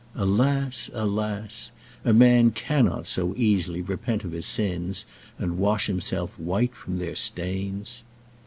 Alas! alas! a man cannot so easily repent of his sins, and wash himself white from their stains!